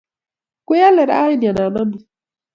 Kwealee rani anan amut?